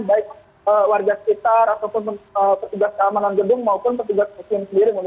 baik warga sekitar ataupun petugas keamanan gedung maupun petugas muslim sendiri